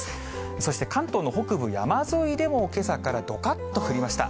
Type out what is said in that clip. そして関東の北部山沿いでも、けさからどかっと降りました。